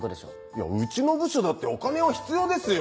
いやうちの部署だってお金は必要ですよ！